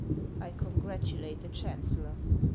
I congratulate the chancellor."